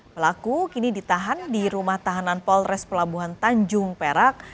pelaku kini ditahan di rumah tahanan polres pelabuhan tanjung perak